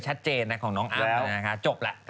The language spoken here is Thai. ไปแจ้งละใช่ไหม